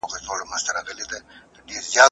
کم مال خو حلال ښه دی